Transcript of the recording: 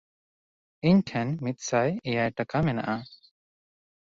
ᱤᱧ ᱴᱷᱮᱱ ᱢᱤᱫᱥᱟᱭ ᱮᱭᱟᱭ ᱴᱟᱠᱟ ᱢᱮᱱᱟᱜᱼᱟ᱾